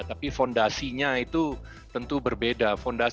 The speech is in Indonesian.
tapi fondasinya itu tentu berbeda